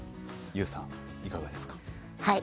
ＹＯＵさんいかがですか？